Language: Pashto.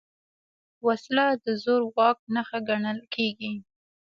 وسله د زور واک نښه ګڼل کېږي